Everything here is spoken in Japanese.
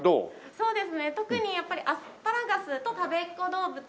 そうですね特にやっぱりアスパラガスとたべっ子どうぶつ。